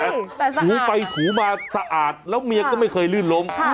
ถูไปถูมาสะอาดแล้วเมียก็ไม่เคยลื่นล้ม